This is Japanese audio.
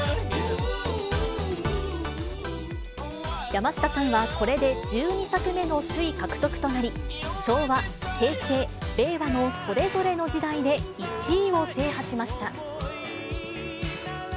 山下さんは、これで１２作目の首位獲得となり、昭和、平成、令和のそれぞれの時代で１位を制覇しました。